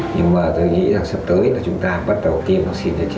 nhưng mà tôi nghĩ là sắp tới là chúng ta bắt đầu tiêm vaccine cho chúng ta